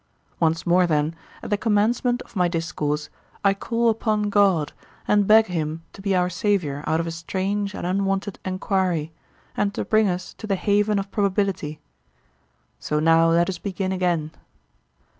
Once more, then, at the commencement of my discourse, I call upon God, and beg him to be our saviour out of a strange and unwonted enquiry, and to bring us to the haven of probability. So now let us begin again.